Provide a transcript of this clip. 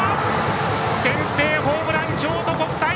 先制ホームラン、京都国際！